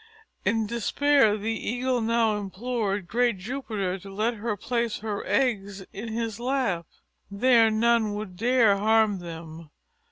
In despair the Eagle now implored great Jupiter to let her place her eggs in his lap. There none would dare harm them.